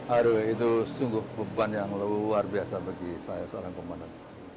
aduh itu sungguh beban yang luar biasa bagi saya seorang komandan